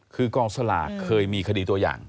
คือกองสลากเคยมีคดีตัวอย่าง